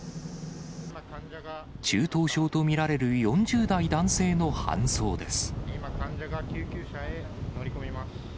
中等症と見られる４０代男性の搬送です。